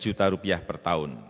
lima juta rupiah per tahun